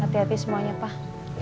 hati hati semuanya pak